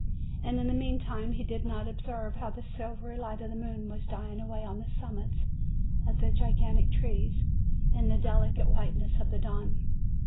And in the meantime he did not observe how the silvery light of the moon was dying away on the sum mits of the gigantic trees in the delicate whiteness of the dawn.